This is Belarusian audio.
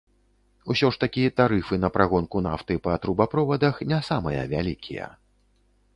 Усё ж такі тарыфы на прагонку нафты па трубаправодах не самыя вялікія.